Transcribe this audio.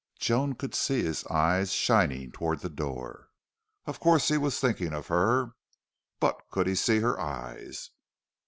Joan could see his eyes shining toward the door. Of course he was thinking of her. But could he see her eyes?